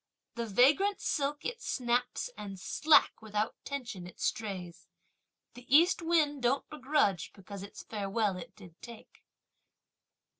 The vagrant silk it snaps, and slack, without tension it strays! The East wind don't begrudge because its farewell it did take!